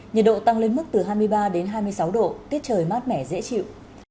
nhiệt độ tăng lên mức từ hai mươi ba đến hai mươi sáu độ tiết trời mát mẻ dễ chịu